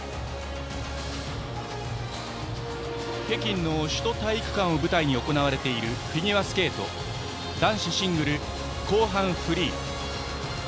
北京の首都体育館を舞台に行われているフィギュアスケート男子シングル後半、フリー。